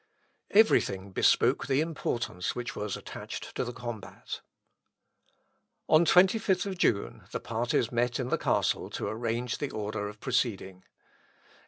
Every thing bespoke the importance which was attached to the combat. On 25th June, the parties met in the castle to arrange the order of proceeding.